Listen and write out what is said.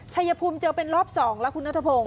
ชัยภูมิเจอเป็นรอบ๒แล้วคุณนัทพงศ